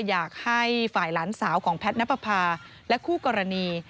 อยากให้ฝ่ายหลานสาวของแพทย์นับประพาและคู่กรณี